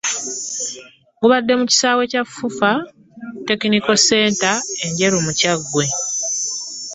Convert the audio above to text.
Gubadde mu kisaawe kya Fufa Technical Center e Njeru mu Kyaggwe.